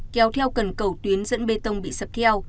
kéo theo cần cầu tuyến dẫn bê tông bị sập theo